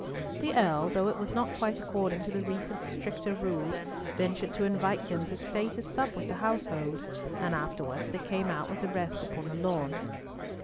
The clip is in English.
The Earl, though it was not quite according to the recent stricter rules, ventured to invite them to stay to sup with the household, and afterwards they came out with the rest upon the lawn.